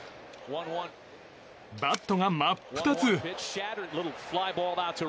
バットが真っ二つ！